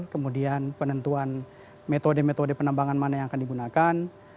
kemudian penentuan metode metode penambangan mana yang akan digunakan